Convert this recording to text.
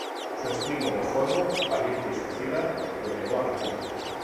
Su estilo de juego valiente y suicida lo llevó a la muerte.